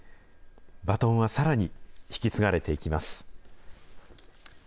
バトンはさらに引き継がれていきます。